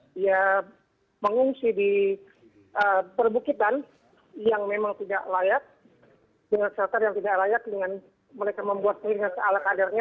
dia pengungsi di perbukitan yang memang tidak layak dengan shelter yang tidak layak dengan mereka membuat keinginan sealat adanya